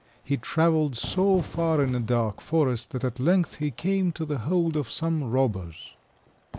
He travelled so far in a dark forest that at length he came to the hold of some robbers.